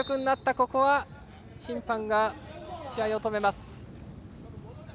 ここは審判が試合を止めます。